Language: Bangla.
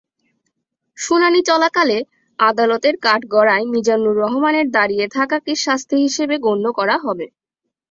শুনানি চলাকালে আদালতের কাঠগড়ায় মিজানুর রহমানের দাঁড়িয়ে থাকাকে শাস্তি হিসেবে গণ্য করা হবে।